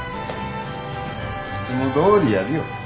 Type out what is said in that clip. いつもどおりやるよ。